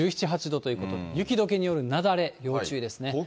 １７、８度ということで、雪どけによる雪崩、要注意ですね。